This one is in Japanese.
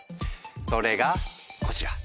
それがこちら！